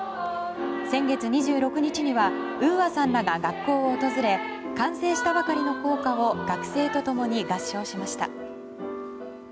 先月２６日にはＵＡさんらが学校を訪れ完成したばかりの校歌を学生と共に合唱しました。